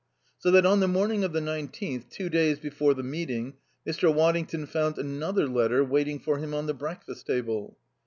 So that on the morning of the nineteenth, two days before the meeting, Mr. Waddington found another letter waiting for him on the breakfast table.